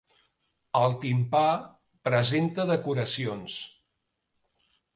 El timpà presenta decoracions.